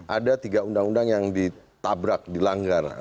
ada tiga undang undang yang ditabrak dilanggar